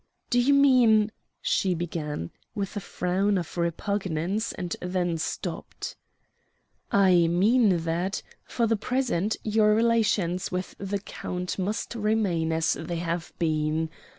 "Do you mean...?" she began, with a frown of repugnance, and then stopped. "I mean that for the present your relations with the count must remain as they have been.